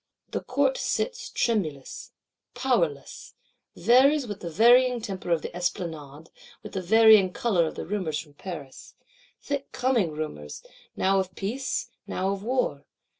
The Court sits tremulous, powerless; varies with the varying temper of the Esplanade, with the varying colour of the rumours from Paris. Thick coming rumours; now of peace, now of war.